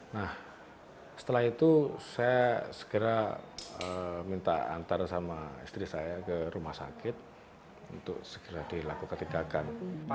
nah setelah itu saya segera minta antar sama istri saya ke rumah sakit untuk segera dilakukan tindakan